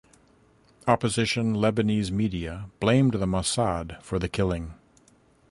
Opposition Lebanese media blamed the Mossad for the killing.